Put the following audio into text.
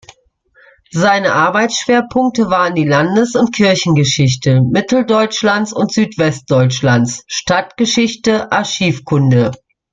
Seine Arbeitsschwerpunkte waren die Landes- und Kirchengeschichte Mitteldeutschlands und Südwestdeutschlands, Stadtgeschichte, Archivkunde.